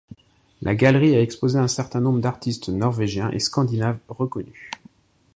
La galerie a exposé un certain nombre d'artistes norvégiens et scandinaves reconus.